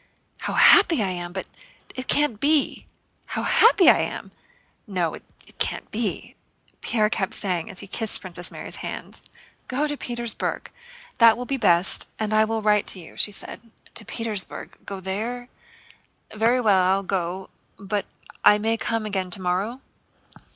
How happy I am! But it can't be.... How happy I am! No, it can't be!" Pierre kept saying as he kissed Princess Mary's hands. "Go to Petersburg, that will be best. And I will write to you," she said. "To Petersburg? Go there? Very well, I'll go. But I may come again tomorrow?"